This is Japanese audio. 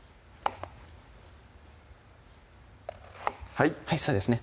はいはいそうですね